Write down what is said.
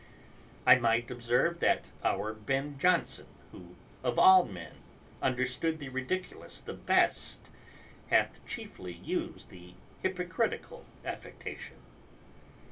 I might observe that our Ben Jonson, who of all men understood the Ridiculous the best, hath chiefly used the hypocritical affectation.